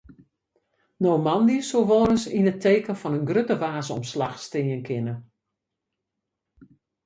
No moandei soe wolris yn it teken fan in grutte waarsomslach stean kinne.